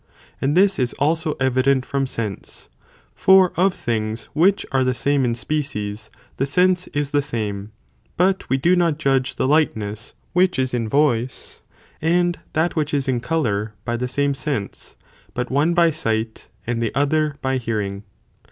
white and this is also evident from sense, for of things oe, which are the same in species, the sense is the same; but we do not judge the lightness which is in voice, and that which is in colour, by the same sense, but one by sight, and the other, by hearing.